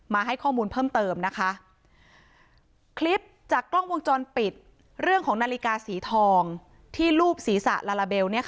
ให้ข้อมูลเพิ่มเติมนะคะคลิปจากกล้องวงจรปิดเรื่องของนาฬิกาสีทองที่รูปศีรษะลาลาเบล